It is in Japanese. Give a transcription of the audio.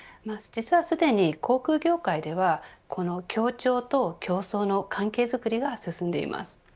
実はすでに、航空業界ではこの協調と競争の関係づくりが進んでいます。